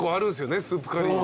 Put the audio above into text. スープカリーで。